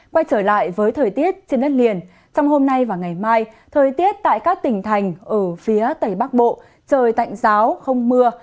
quay trở lại với thời tiết trên đất liền trong hôm nay và ngày mai thời tiết tại các tỉnh thành ở phía tầy bắc bộ trời tạnh giáo không mưa